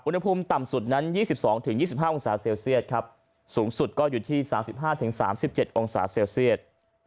อุณหภูมิต่ำสุดนั้น๒๒๒๕องศาเซลเซียตครับสูงสุดก็อยู่ที่๓๕๓๗องศาเซลเซียต